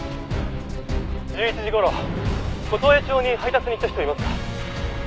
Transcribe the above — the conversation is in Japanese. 「１１時頃琴江町に配達に行った人いますか？」